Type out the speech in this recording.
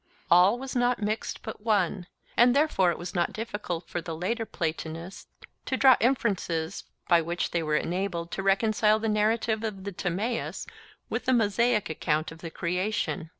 All was not mixed but one; and therefore it was not difficult for the later Platonists to draw inferences by which they were enabled to reconcile the narrative of the Timaeus with the Mosaic account of the creation.